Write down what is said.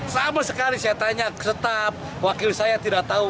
sama sekali saya tanya ke staf wakil saya tidak tahu